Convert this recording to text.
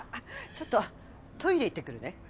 ちょっとトイレ行ってくるね。